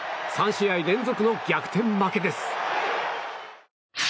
３試合連続の逆転負けです。